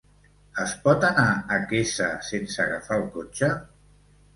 Es pot anar a Quesa sense agafar el cotxe?